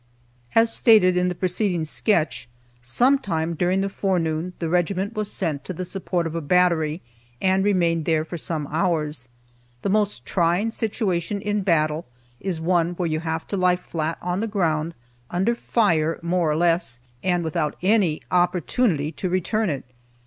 As stated in the preceding sketch, sometime during the forenoon the regiment was sent to the support of a battery, and remained there for some hours. The most trying situation in battle is one where you have to lie flat on the ground, under fire more or less, and without any opportunity to return it.